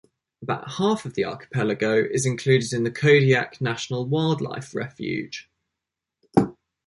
About half of the archipelago is included in the Kodiak National Wildlife Refuge.